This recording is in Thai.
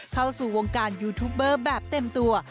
เข้าสู่วงการยูทูปเบอร์แบบเต็มตัว